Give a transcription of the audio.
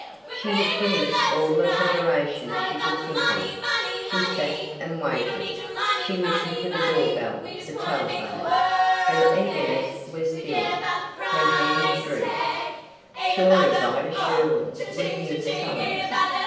She had finished all the preparations she could think of. She sat and waited. She listened for the door bell, the telephone. Her eagerness was stilled. Her hands drooped. Surely Vida Sherwin would hear the summons.